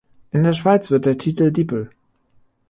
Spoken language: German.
In der Schweiz wird der Titel Dipl.